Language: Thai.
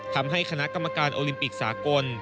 ทำให้คณะกรรมการโอลิมปิกสากล